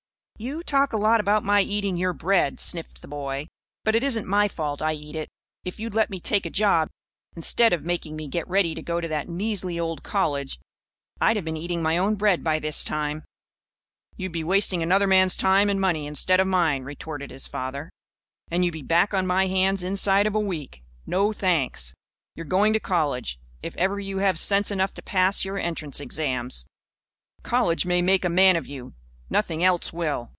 "You talk a lot about my eating your bread," sniffed the boy. "But it isn't my fault I eat it. If you'd let me take a job, instead of making me get ready to go to that measly old college, I'd have been eating my own bread by this time." "You'd be wasting another man's time and money instead of mine," retorted his father. "And you'd be back on my hands inside of a week. No, thanks. You're going to college if ever you have sense enough to pass your entrance exams. College may make a man of you. Nothing else will.